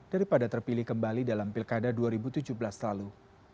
daripada terpilih kembali dalam pilkada dua ribu tujuh belas lalu